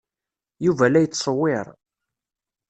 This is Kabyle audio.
Yuba la yettṣewwir.